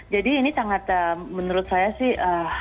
jadi ini sangat menurut saya sih